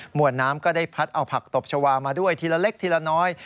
วนน้ำก็ได้พัดเอาผักตบชาวามาด้วยทีละเล็กทีละน้อย